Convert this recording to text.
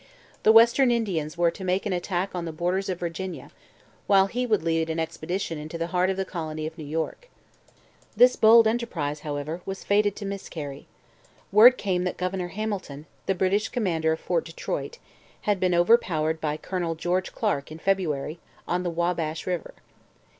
The Western Indians were to make an attack on the borders of Virginia, while he would lead an expedition into the heart of the colony of New York. This bold enterprise, however, was fated to miscarry. Word came that Governor Hamilton, the British commander of Fort Detroit, had been overpowered by Colonel George Clark, in February, on the Wabash river.